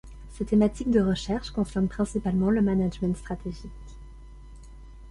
Ses thématiques de recherche concernent principalement le management stratégique.